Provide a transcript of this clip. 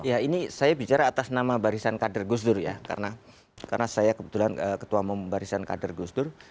ya ini saya bicara atas nama barisan kader gusdur ya karena saya kebetulan ketua membarisan kader gusdur